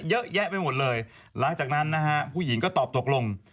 เยอะแยะไปหมดเลยหลังจากนั้นนะฮะผู้หญิงก็ตอบตกลง